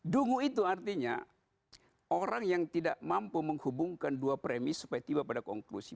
dungu itu artinya orang yang tidak mampu menghubungkan dua premis supaya tiba pada konklusi